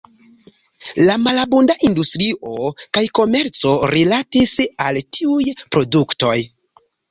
La malabunda industrio kaj komerco rilatis al tiuj produktoj.